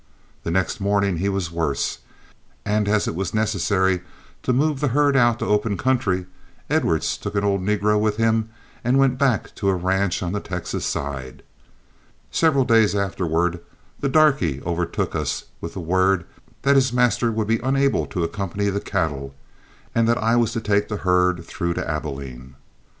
The next morning he was worse, and as it was necessary to move the herd out to open country, Edwards took an old negro with him and went back to a ranch on the Texas side. Several days afterward the darky overtook us with the word that his master would be unable to accompany the cattle, and that I was to take the herd through to Abilene.